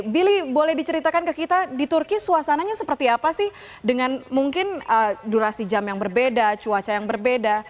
billy boleh diceritakan ke kita di turki suasananya seperti apa sih dengan mungkin durasi jam yang berbeda cuaca yang berbeda